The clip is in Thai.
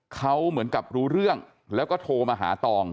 เขาเหมือนกับรู้เรื่องแล้วก็โทรมาหาตอง